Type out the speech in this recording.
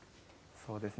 そうですね。